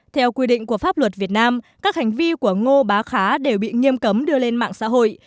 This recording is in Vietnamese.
theo quy định của pháp luật việt nam các hành vi của ngô bá khá đều bị nghiêm cấm đưa lên mạng xã hội